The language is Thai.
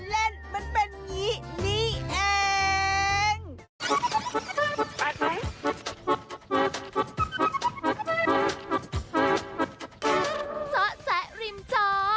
เล่นมันเป็นอย่างนี้นี่เอง